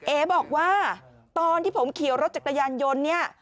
เอ๋บอกว่าตอนที่ผมขี่รถจักรยานยนต์เนี่ย